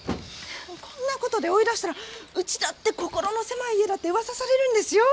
こんなことで追い出したらうちだって心の狭い家だってうわさされるんですよ。